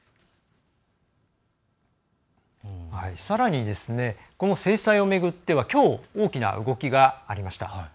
さらにこの制裁を巡ってはきょう大きな動きがありました。